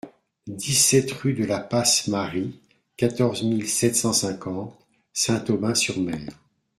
dix-sept rue de la Passe Mary, quatorze mille sept cent cinquante Saint-Aubin-sur-Mer